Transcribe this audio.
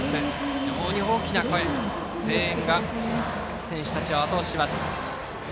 非常に大きな声援が選手たちをあと押しします。